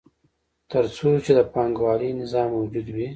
تر څو چې د پانګوالي نظام موجود وي